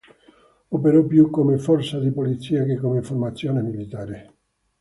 Operò più come forza di polizia che come formazione militare.